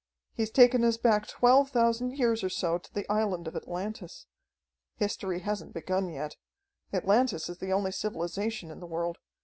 He's taken us back twelve thousand years or so to the island of Atlantis. History hasn't begun yet. Atlantis is the only civilization in the world.